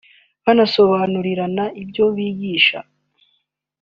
banasobanurirana ibyo bigisha